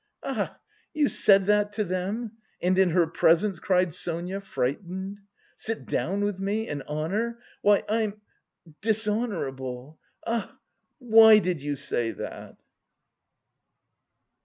"Ach, you said that to them! And in her presence?" cried Sonia, frightened. "Sit down with me! An honour! Why, I'm... dishonourable.... Ah, why did you say that?"